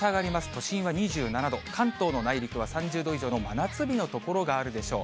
都心は２７度、関東の内陸は３０度以上の真夏日の所があるでしょう。